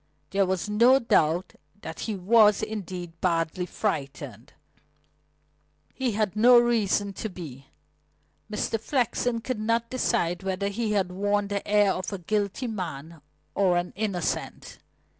There was no doubt that he was, indeed, badly frightened; but he had reason to be. Mr. Flexen could not decide whether he had worn the air of a guilty man or an innocent.